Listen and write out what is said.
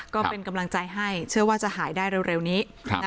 ก็เป็นกำลังใจให้เชื่อว่าจะหายได้เร็วนี้